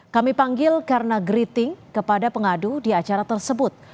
kami panggil karena griting kepada pengadu di acara tersebut